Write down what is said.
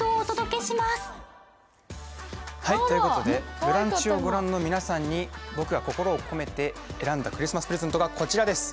「ブランチ」を御覧の皆さんに僕が心を込めて選んだクリスマスプレゼントがこちらです。